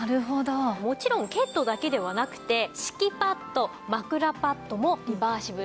もちろんケットだけではなくて敷きパッド枕パッドもリバーシブルになっております。